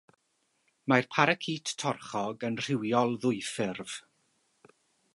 Mae'r paracît torchog yn rhywiol ddwyffurf.